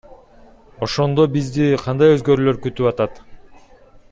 Ошондо бизди кандай өзгөрүүлөр күтүп атат?